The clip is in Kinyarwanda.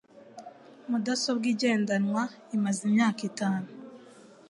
Mudasobwa igendanwa imaze imyaka itanu